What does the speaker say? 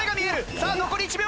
さあ残り１秒！